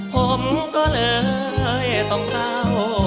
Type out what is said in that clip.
ผมก็เลยต้องเศร้า